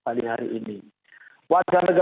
waktu itu kita akan berbincang dengan warga negara indonesia